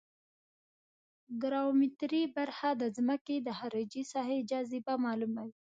ګراومتري برخه د ځمکې د خارجي ساحې جاذبه معلوموي